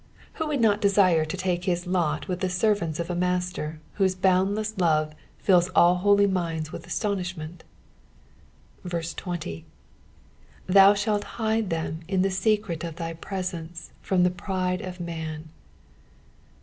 Who Would not desire to take bis lot with the lervanta of a Master whose boundle«s love fills all hoi; minds with astonishment I 20. " Thou thalt hide them in lAe teeret of iky frtatnoa from lie pride qf man.'''